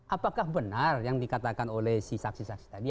apakah benar yang dikatakan oleh si saksi saksi tadi